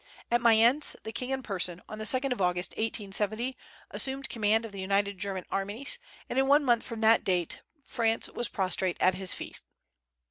At Mayence, the king in person, on the 2d of August, 1870, assumed command of the united German armies; and in one month from that date Prance was prostrate at his feet.